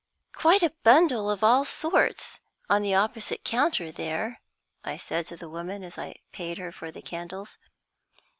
"Quite a bundle of all sorts on the opposite counter there," I said to the woman, as I paid her for the candles.